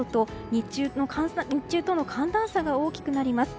日中との寒暖差が大きくなります。